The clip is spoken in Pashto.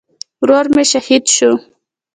ورور مې شهید شو